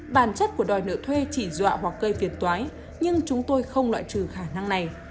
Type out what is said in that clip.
bản chất của đòi nợ thuê chỉ dọa hoặc gây phiền toái nhưng chúng tôi không loại trừ khả năng này